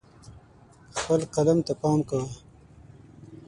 خپل قلم ته پام کوه.